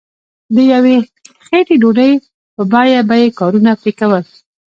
د یوې خیټې ډوډۍ په بیه به یې کارونه پرې کول.